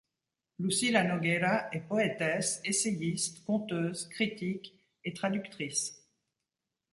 Lucila Nogueira est poétesse, essayiste, conteuse, critique et traductrice.